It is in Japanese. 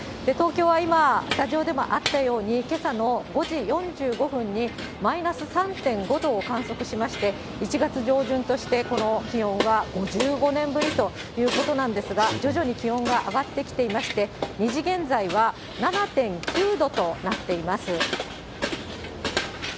東京は今、スタジオでもあったように、けさの５時４５分にマイナス３．５度を観測しまして、１月上旬としてこの気温は５５年ぶりということなんですが、徐々に気温が上がってきていまして、２時現在は７．９度となっています。